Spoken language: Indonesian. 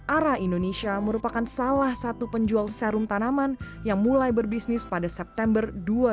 ara indonesia merupakan salah satu penjual serum tanaman yang mulai berbisnis pada september dua ribu dua puluh